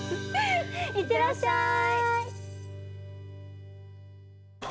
行ってらっしゃい。